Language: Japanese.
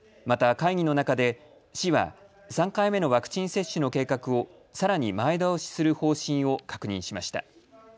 また会議の中で市は３回目のワクチン接種の計画をさらに前倒しする方針を確認しました。